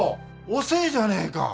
遅えじゃねえか。